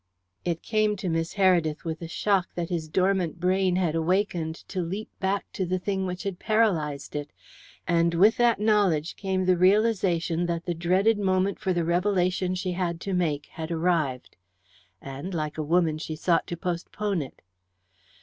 It came to Miss Heredith with a shock that his dormant brain had awakened to leap back to the thing which had paralysed it, and with that knowledge came the realization that the dreaded moment for the revelation she had to make had arrived. And, like a woman, she sought to postpone it.